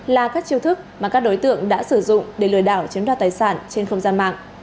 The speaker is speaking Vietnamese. là các chiêu thức mà các đối tượng đã sử dụng để lừa đảo chiếm đoạt tài sản trên không gian mạng